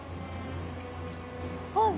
あっ！